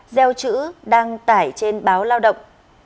gieo chữ đăng tải trên báo lao động